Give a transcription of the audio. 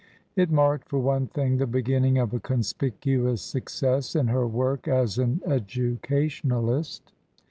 It marked, for one thing, the beginning of a conspicuous success in her work as an educationalist.